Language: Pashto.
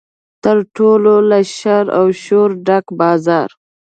تر ټولو له شر او شوره ډک بازار.